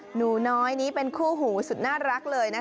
หนูน้อยนี้เป็นคู่หูสุดน่ารักเลยนะคะ